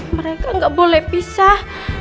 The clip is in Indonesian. mereka gak boleh pisah